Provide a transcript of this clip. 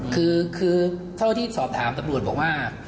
คือเท่าที่สอบถามตำรวจบอกว่า